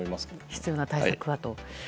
必要な対策だと。